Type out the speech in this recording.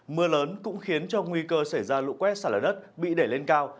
mưa lớn cũng khiến cho nguy cơ xảy ra lũ quét sạt lở đất bị đẩy lên cao